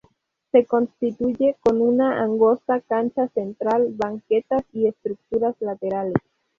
Se constituye con una angosta cancha central, banquetas y estructuras laterales.